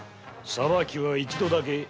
裁きは一度だけ。